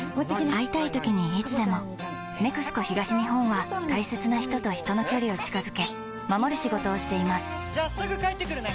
会いたいときにいつでも「ＮＥＸＣＯ東日本」は大切な人と人の距離を近づけ守る仕事をしていますじゃあすぐ帰ってくるね！